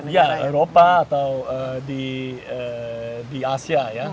ya eropa atau di asia ya